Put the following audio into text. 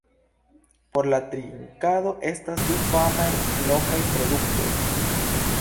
Por la trinkado estas du famaj lokaj produktoj.